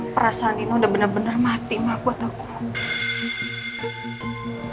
perasaan ini udah bener bener mati mbak buat aku